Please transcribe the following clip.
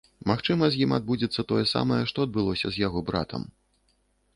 Магчыма, з ім адбудзецца тое самае, што адбылося з яго братам.